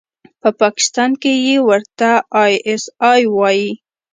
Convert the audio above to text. په پاکستان کښې چې ورته آى اس آى وايي.